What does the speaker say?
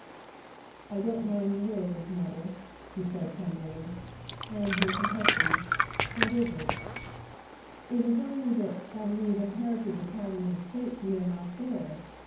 "I don't mind the worries, mother," he said tenderly; "I am here to help you. What is it ?" "It is only that, although we have inherited the title and estates, we are not there.